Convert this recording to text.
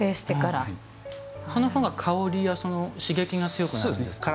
そのほうが香りや刺激が強くなるんですか？